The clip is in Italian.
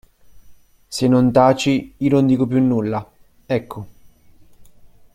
Se non taci, io non dico più nulla, ecco.